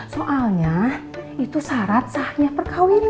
soalnya itu syarat sahnya perkawinan